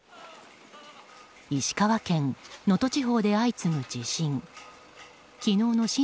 石川県能登地方で相次ぐ地震。